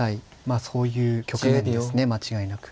そういう局面ですね間違いなく。